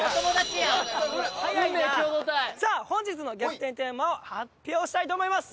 さあ本日の逆転テーマを発表したいと思います！